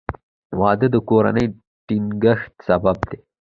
• واده د کورنۍ د ټینګښت سبب دی.